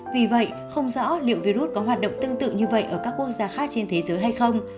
vì vậy không rõ liệu virus có hoạt động tương tự như vậy ở các quốc gia khác trên thế giới hay không